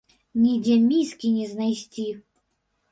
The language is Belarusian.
Нідзе міскі не знайсці.